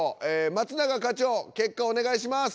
松長課長結果お願いします。